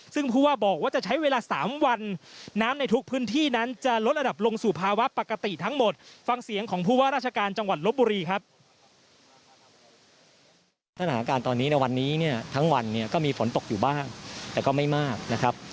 สถานการณ์ตอนนี้ในวันนี้เนี่ยทั้งวันเนี่ยก็มีฝนตกอยู่บ้างแต่ก็ไม่มากนะครับ